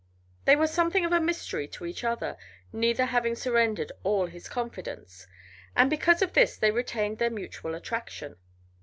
They were something of a mystery to each other, neither having surrendered all his confidence, and because of this they retained their mutual attraction.